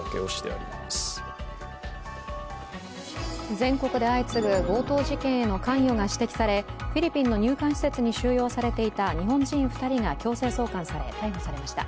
全国で相次ぐ強盗事件への関与が指摘されフィリピンの入管施設に収容されていた日本人２人が強制送還され逮捕されました。